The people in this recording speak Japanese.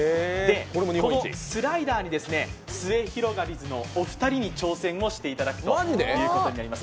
このスライダーにすゑひろがりずのお二人に挑戦をしていただくことになります。